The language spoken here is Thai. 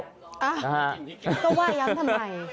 จะว่าย้ำทำไม